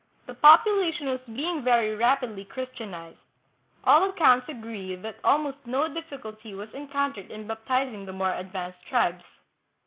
The popu lation was being very rapidly Christianized. All accounts agree that almost no difficulty was encountered in baptiz ing the more advanced tribes.